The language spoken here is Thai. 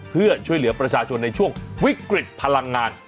เพื่อช่วยเหลือประชาชนในช่วงวิกฤตพลังงาน